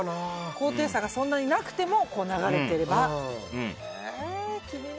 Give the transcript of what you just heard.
高低差がそんなになくても流れてれば。